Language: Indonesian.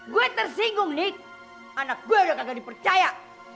gue tersinggung nih anak gue udah kagak dipercaya